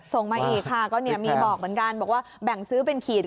ส่งมาอีกค่ะก็มีบอกเหมือนกันบอกว่าแบ่งซื้อเป็นขีด